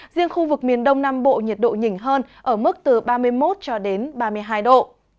riêng khu vực miền đông nam bộ nhiệt độ nhỉnh hơn ở mức từ ba mươi một cho đến ba mươi hai độ